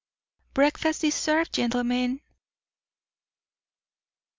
VI "BREAKFAST IS SERVED, GENTLEMEN!"